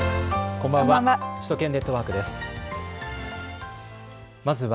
こんばんは。